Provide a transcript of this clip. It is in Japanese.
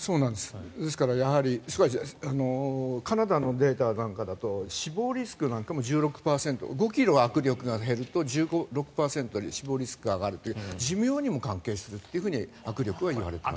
ですからカナダのデータなんかだと死亡リスクなんかも１６％５ｋｇ握力が減ると１６％死亡リスクが上がるという寿命にも関係すると握力は言われてます。